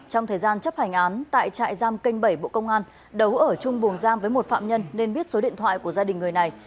trong thời gian chấp hành án tại trại giam kênh bảy bộ công an đấu ở chung buồn giam với một phạm nhân nên biết số điện thoại của gia đình người này